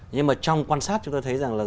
nhưng mà trong quan sát chúng tôi thấy rằng là